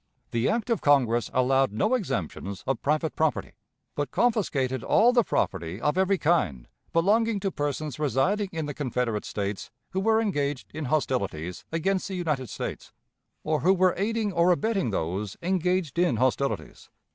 The act of Congress allowed no exemptions of private property, but confiscated all the property of every kind belonging to persons residing in the Confederate States who were engaged in hostilities against the United States or who were aiding or abetting those engaged in hostilities.